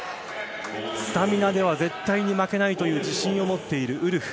スタミナでは絶対に負けないという自信を持っているウルフ。